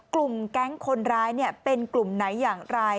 กลุ่มแก๊งคนร้ายเป็นกลุ่มไหนอย่างไร